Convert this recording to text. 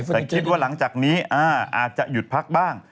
แต่คิดว่าหลังจากนี้อาจจะหยุดพักบ้าง